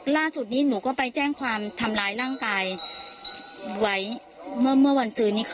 ล่าสุดนี้หนูก็ไปแจ้งความทำร้ายร่างกายไว้เมื่อวันจืนนี้ค่ะ